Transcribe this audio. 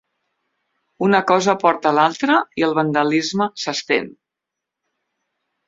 Una cosa porta a l'altra i el vandalisme s'estén.